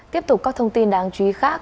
tiếp tục các thông tin đáng chú ý khác